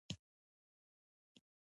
د اسونو لوبه بزکشي ده